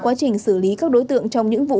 quá trình xử lý các đối tượng trong những vụ